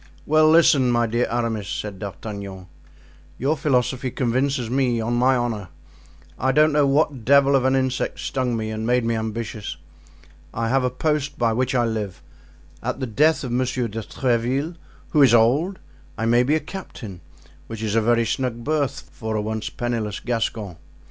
"Well, listen, my dear Aramis," said D'Artagnan; "your philosophy convinces me, on my honor. I don't know what devil of an insect stung me and made me ambitious. I have a post by which I live; at the death of Monsieur de Tréville, who is old, I may be a captain, which is a very snug berth for a once penniless Gascon.